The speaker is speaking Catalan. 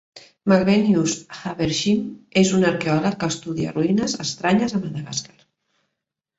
Malvineous Havershim és un arqueòleg que estudia ruïnes estranyes a Madagascar.